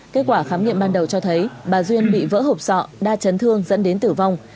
kết quả khám nghiệm ban đầu cho thấy bà duyên bị vỡ hộp sọ đa chấn thương dẫn đến tử vong